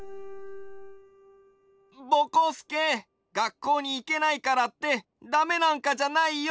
ぼこすけがっこうにいけないからってだめなんかじゃないよ。